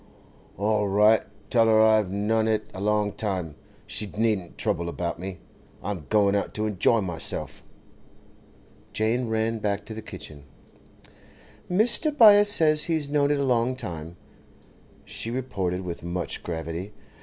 'All right. Tell her I've known it a long time. She needn't trouble about me; I'm going out to enjoy myself.' Jane ran back to the kitchen. 'Mr. Byass says he's known it a long time,' she reported, with much gravity.